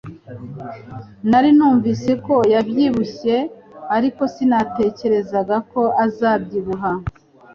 Nari numvise ko yabyibushye, ariko sinatekerezaga ko azabyibuha